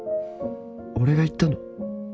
俺が言ったの？